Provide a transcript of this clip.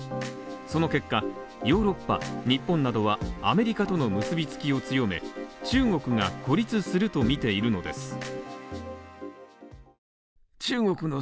その結果、ヨーロッパ、日本などはアメリカとの結びつきを強め、中国が孤立するとみているのです。